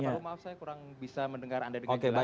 mohon maaf saya kurang bisa mendengar anda dengan jelas